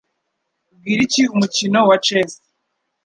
Ubwira iki umukino wa chess?